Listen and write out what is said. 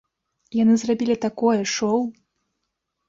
Яны зрабілі такое шоў.